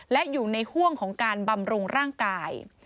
และอยู่ในห่วงของการบำรุงร่างกาย